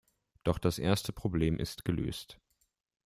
Doch das erste Problem ist gelöst.